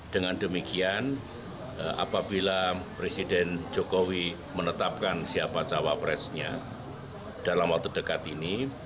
dengan demikian apabila presiden jokowi menetapkan siapa calon wakil presidennya dalam waktu dekat ini